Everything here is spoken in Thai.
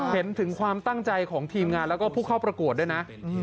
เห็นถึงความตั้งใจของทีมงานแล้วก็ผู้เข้าประกวดด้วยนะ